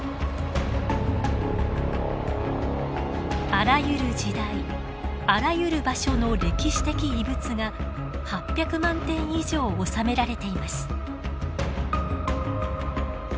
あらゆる時代あらゆる場所の歴史的遺物が８００万点以上収められています。